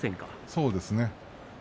そうですね。